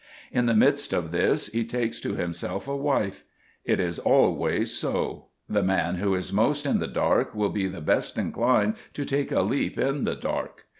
In the midst of this he takes to himself a wife. It is always so. The man who is most in the dark will be the best inclined to take a leap in the dark.